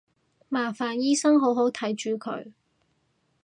麻煩醫生好好睇住佢